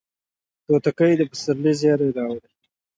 توتکۍ د پسرلي زیری راوړي